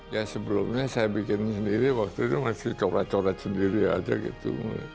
ya sebelumnya saya bikin sendiri waktu itu masih coklat corak sendiri aja gitu